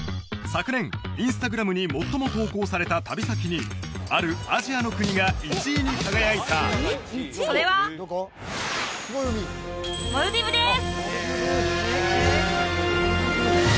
昨年インスタグラムに最も投稿された旅先にあるアジアの国が１位に輝いたそれはモルディブです！